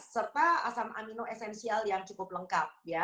serta asam amino esensial yang cukup lengkap